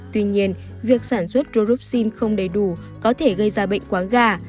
tuy nhiên việc sản xuất ruropsin không đầy đủ có thể gây ra bệnh quá gà